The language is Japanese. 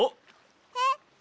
えっ？